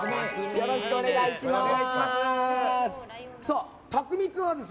よろしくお願いします。